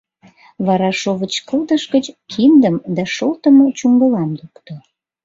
Вара шовыч кылдыш гыч киндым да шолтымо чуҥгылам лукто.